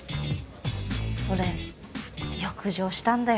それ欲情したんだよ。